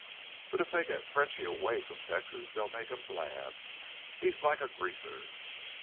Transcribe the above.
But if they git Frenchy away from Texas they'll make him blab. He's like a greaser.